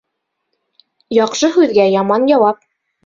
Яҡшы һүҙгә яман яуап.